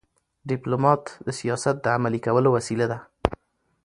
ډيپلومات د سیاست د عملي کولو وسیله ده.